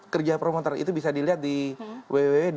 kerja promoter itu bisa dilihat di www polri com